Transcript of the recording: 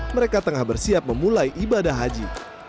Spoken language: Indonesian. mereka tengah bersiap memulai ibadah haji